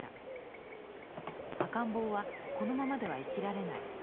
赤ん坊はこのままでは生きられない。